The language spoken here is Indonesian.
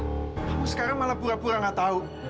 kamu sekarang malah pura pura gak tahu